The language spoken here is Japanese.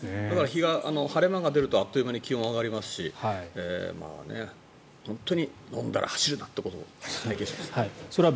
晴れ間が出るとあっという間に気温が上がるし本当に飲んだら走るなということを勉強しました。